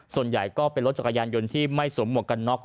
ส่วนใหญ่ก็เป็นรถจักรยานยนต์ที่ไม่สวมหมวกกันน็อก